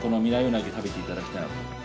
鰻を食べていただきたいなと。